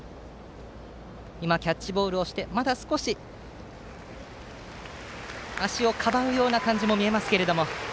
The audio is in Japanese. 今、キャッチボールをしてまだ少し足をかばう感じも見えましたけれども。